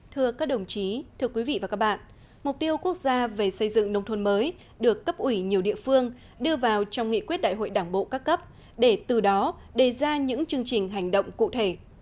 thưa các đồng chí thưa quý vị và các bạn mục tiêu quốc gia về xây dựng nông thôn mới được cấp ủy nhiều địa phương đưa vào trong nghị quyết đại hội đảng bộ các cấp để từ đó đề ra những chương trình hành động cụ thể